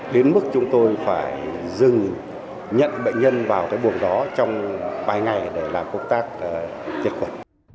đến mức chúng tôi phải dừng nhận bệnh nhân vào cái buồng đó trong vài ngày để làm công tác diệt khuẩn